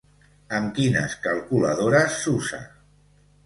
Amb quines calculadores s'usa?